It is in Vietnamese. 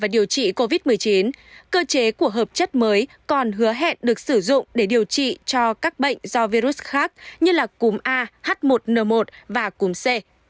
điều trị covid một mươi chín cơ chế của hợp chất mới còn hứa hẹn được sử dụng để điều trị cho các bệnh do virus khác như là cúm ah một n một và cúm c